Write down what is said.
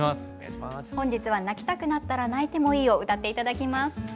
本日は「泣きたくなったら泣いてもいい」を歌って頂きます。